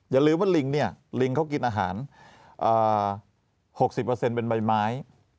อย่าลืมว่าลิงเนี่ยลิงเขากินอาหาร๖๐เป็นใบไม้